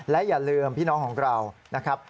และอย่าลืมพี่น้องของเรานะครับ